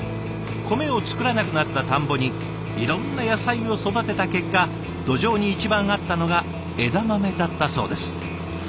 米を作らなくなった田んぼにいろんな野菜を育てた結果土壌に一番合ったのが枝豆だったそうです。